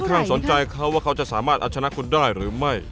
ข้างสนใจเขาว่าเขาจะสามารถเอาชนะคุณได้หรือไม่